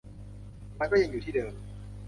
มันก็ยังอยู่ที่เดิม